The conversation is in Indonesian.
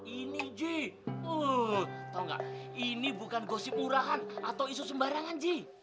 ini ji tau gak ini bukan gosip urahan atau isu sembarangan ji